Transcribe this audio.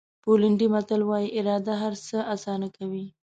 پولنډي متل وایي اراده هر څه آسانه کوي.